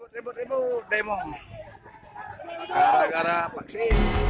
ribut ribut demo gara gara paksi